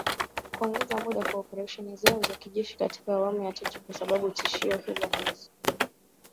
kuongeza muda wa operesheni zao za kijeshi katika awamu ya tatu kwa sababu tishio hilo halijatozwa